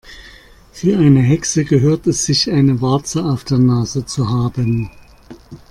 Für eine Hexe gehört es sich, eine Warze auf der Nase zu haben.